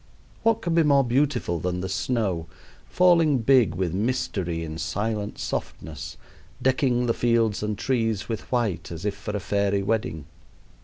What can be more beautiful than the snow, falling big with mystery in silent softness, decking the fields and trees with white as if for a fairy wedding!